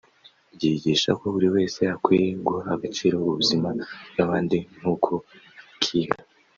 ryigishaga ko buri wese akwiye guha agaciro ubuzima bw’abandi nk’uko akiha